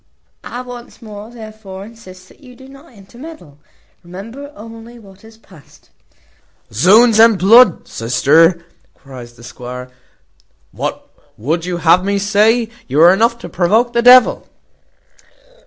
I once more, therefore, insist, that you do not intermeddle. Remember only what is past." "Z ds and bl d, sister," cries the squire, "what would you have me say? You are enough to provoke the devil."